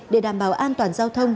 để đảm bảo an toàn giao thông